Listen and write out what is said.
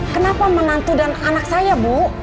kenapa menantu dan anak saya bu